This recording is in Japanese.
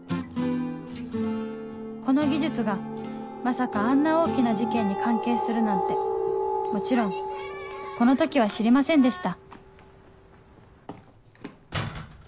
この技術がまさかあんな大きな事件に関係するなんてもちろんこの時は知りませんでした